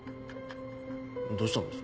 どうしたんです？